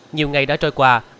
nhiều ngày đã trôi qua